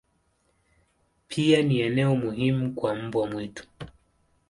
Pia ni eneo muhimu kwa mbwa mwitu.